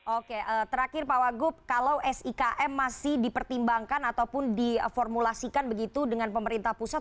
oke terakhir pak wagub kalau sikm masih dipertimbangkan ataupun diformulasikan begitu dengan pemerintah pusat